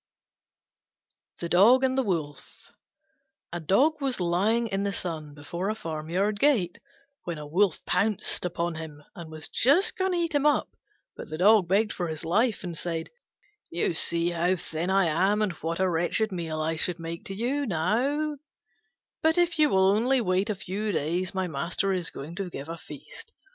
THE DOG AND THE WOLF A Dog was lying in the sun before a farmyard gate when a Wolf pounced upon him and was just going to eat him up; but he begged for his life and said, "You see how thin I am and what a wretched meal I should make you now: but if you will only wait a few days my master is going to give a feast.